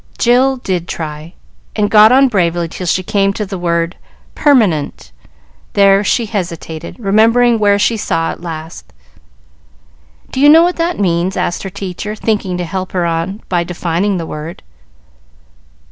Jill did try, and got on bravely till she came to the word "permanent;" there she hesitated, remembering where she saw it last. "Do you know what that means?" asked her teacher, thinking to help her on by defining the word.